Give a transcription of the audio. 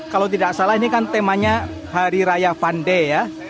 kalau tidak salah ini kan temanya hari raya panday ya